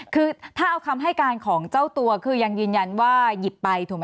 คือถ้าเอาคำให้การของเจ้าตัวคือยังยืนยันว่าหยิบไปถูกไหม